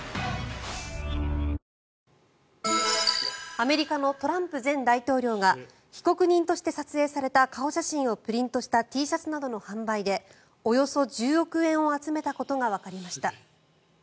アメリカのトランプ前大統領が被告人として撮影された顔写真をプリントしたＴシャツなどの販売でおよそ１０億円を集めたことがわかりました。